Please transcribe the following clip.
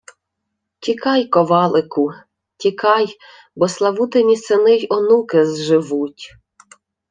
— Тікай, ковалику! Тікай, бо Славутині сини й онуки зживуть!..